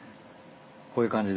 こういう感じで。